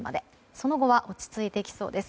その後は落ち着いてきそうです。